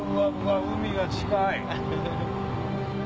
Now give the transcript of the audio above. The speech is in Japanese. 海が近い。